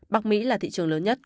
bắc mỹ là thị trường lớn nhất